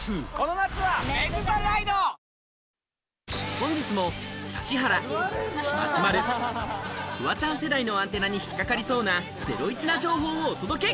本日も指原、松丸、フワちゃん世代のアンテナに引っ掛かりそうなゼロイチな情報をお届け！